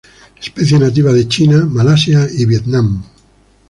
Especie nativa de China, Malasia y Vietnam.